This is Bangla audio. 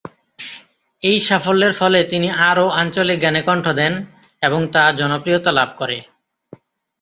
এই সাফল্যের ফলে তিনি আরও আঞ্চলিক গানে কন্ঠ দেন এবং তা জনপ্রিয়তা লাভ করে।